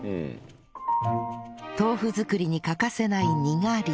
豆腐作りに欠かせないにがり。